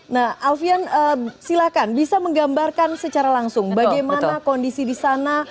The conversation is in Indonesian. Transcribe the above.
nah alfian silahkan bisa menggambarkan secara langsung bagaimana kondisi di sana